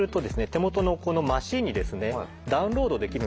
手元のマシンにですねダウンロードできるんですよ。